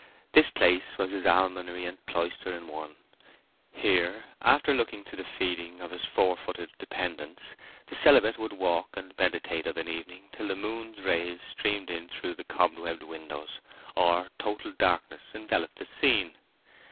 This place was his almonry and cloister in one: here, after looking to the feeding of his four footed dependants, the celibate would walk and meditate of an evening till the moon's rays streamed in through the cobwebbed windows, or total darkness enveloped the scene.